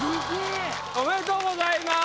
おめでとうございます。